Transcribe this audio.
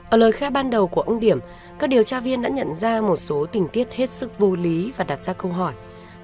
ở lời khai ban đầu của ông điểm các điều tra viên đã nhận ra một số tình tiết hết sức vô lý và đặt ra câu hỏi